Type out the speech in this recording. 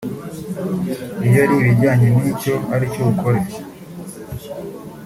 iyo ari ibijyanye n’icyo ari bukore